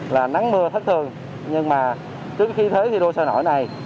là nắng mưa thất thường nhưng mà trước khi thế thi đua sao nổi này